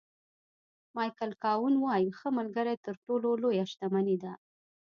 مایکل کاون وایي ښه ملګری تر ټولو لویه شتمني ده.